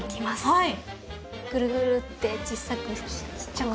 はい。